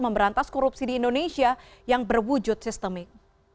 memberantas korupsi di indonesia yang berwujud sistemik